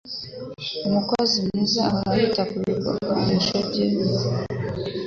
Umukozi mwiza ahora yita kubikoresho bye